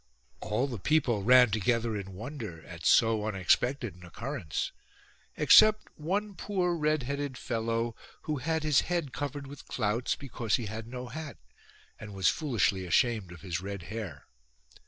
All the people ran together in wonder at so unexpected an occurrence, except one poor red headed fellow, who had his head covered with clouts, because he had no hat, and was foolishly ashamed of his red hair.